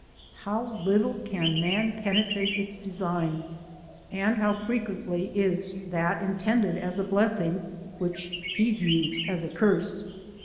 How little can man penetrate its designs, and how frequently is that intended as a blessing, which he views as a curse.